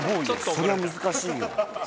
それは難しいよ。